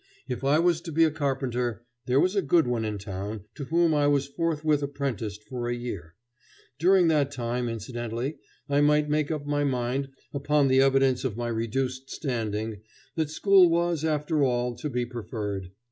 If I was to be a carpenter, there was a good one in town, to whom I was forthwith apprenticed for a year. During that time, incidentally, I might make up my mind, upon the evidence of my reduced standing, that school was, after all, to be preferred.